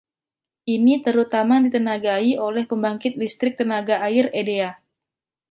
Ini terutama ditenagai oleh Pembangkit Listrik Tenaga Air Edea.